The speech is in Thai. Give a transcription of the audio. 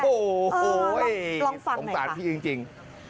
โอ้โหสงสารพี่จริง